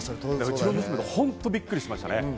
うちの娘も本当にびっくりしてました。